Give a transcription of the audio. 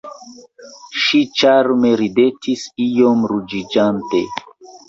Ŝi ĉarme ridetis iom ruĝiĝante.